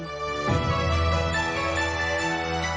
โปรดติดตามตอนต่อไป